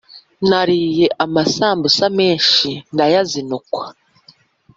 Nariye amasambusa menshi ndayazinukwa